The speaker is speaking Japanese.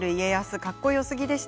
かっこよすぎでした。